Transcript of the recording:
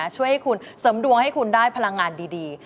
ช่วยให้คุณเสริมดวงให้คุณได้พลังงานดี